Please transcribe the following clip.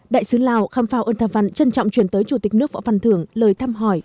đại sứ lào khâm phao ân thà văn trân trọng chuyển tới chủ tịch nước võ văn thường lời thăm hỏi